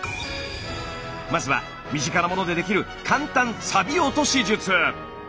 まずは身近な物でできる簡単サビ落とし術。